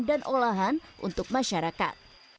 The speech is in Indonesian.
dan olahan untuk masyarakat